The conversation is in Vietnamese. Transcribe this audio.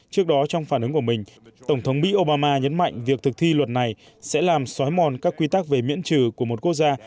trước đó trong phản ứng của mình tổng thống mỹ obama nhấn mạnh việc thực thi luật này sẽ làm xói mòn các quy tắc về miễn trừ của một quốc gia